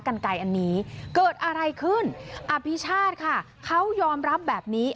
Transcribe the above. กันไกลอันนี้เกิดอะไรขึ้นอภิชาติค่ะเขายอมรับแบบนี้